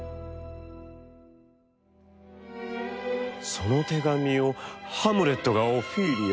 「その手紙をハムレットがオフィーリアに？」。